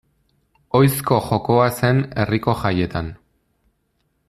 Ohizko jokoa zen herriko jaietan.